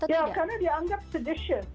ya karena dianggap seditious